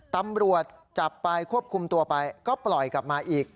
ตำรวจจับไปควบคุมตัวไปก็ปล่อยกลับมาอีก